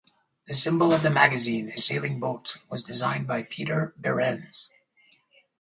The symbol of the magazine, a sailing boat, was designed by Peter Behrens.